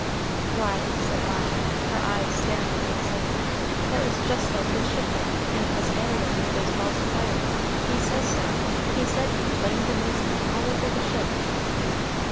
"Why," said Mara, her eyes staring with excitement, "that was just like this shipwreck; and 'twas Ariel made those balls of fire; he says so; he said he 'flamed amazement' all over the ship."